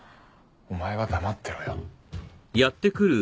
お前は黙ってろよ。